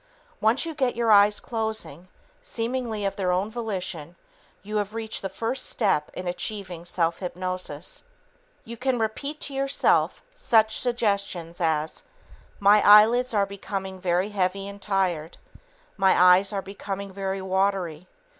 Once you get your eyes closing, seemingly of their own volition, you have reached the first step in achieving self hypnosis. You can repeat to yourself such suggestions as, "My eyelids are becoming very heavy and tired ... My eyes are becoming very watery